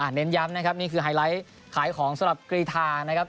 เน้นย้ำนะครับนี่คือไฮไลท์ขายของสำหรับกรีธานะครับ